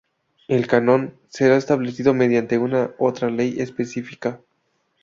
El canon será establecido mediante una otra ley específica.